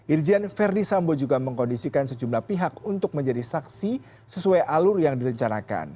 irjen verdi sambo juga mengkondisikan sejumlah pihak untuk menjadi saksi sesuai alur yang direncanakan